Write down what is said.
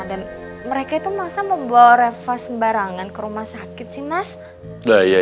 dan mereka itu masa membawa reva sembarangan ke rumah sakit sih mas